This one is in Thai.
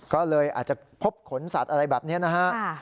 ก็เลยอาจจะพบขนสัตว์อะไรแบบนี้นะฮะ